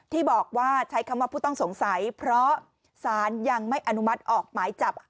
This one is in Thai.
ที่บอกว่าใช้คำว่าผู้ต้องสงสัยเพราะสารยังไม่อนุมัติออกหมายจับ